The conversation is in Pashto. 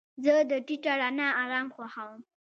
زه د ټیټه رڼا آرام خوښوم.